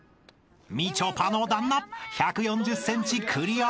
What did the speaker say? ［みちょぱのダンナ１４０ｃｍクリアなるか？］